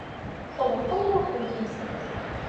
Tebṭel yiwet n temsirt.